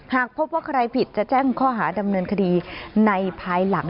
หากพบว่าใครผิดจะแจ้งข้อหาดำเนินคดีในภายหลัง